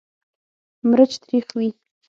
مرچ تریخ وي.